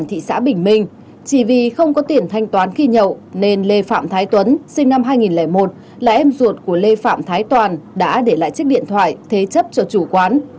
chỉ thị chỉ vì không có tiền thanh toán khi nhậu nên lê phạm thái tuấn sinh năm hai nghìn một là em ruột của lê phạm thái toàn đã để lại chiếc điện thoại thế chấp cho chủ quán